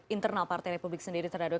internal partai republik sendiri terhadap